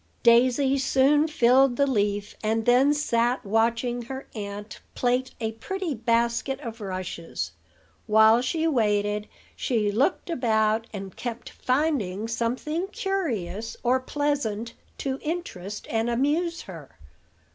Daisy soon filled the leaf, and then sat watching her aunt plait a pretty basket of rushes. While she waited she looked about, and kept finding something curious or pleasant to interest and amuse her.